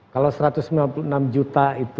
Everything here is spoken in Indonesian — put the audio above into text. kalau satu ratus sembilan puluh enam juta itu